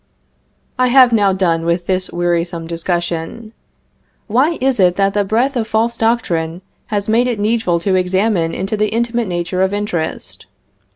I have now done with this wearisome discussion. Why is it that the breath of false doctrine has made it needful to examine into the intimate nature of interest?